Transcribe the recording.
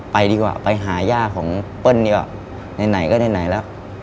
ไปดีกว่าไปหาย่าของเปิ้ลดีกว่าไหนก็ไหนแล้ว